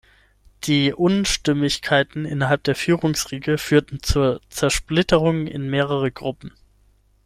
Die Unstimmigkeiten innerhalb der Führungsriege führten zur Zersplitterung in mehrere Gruppen.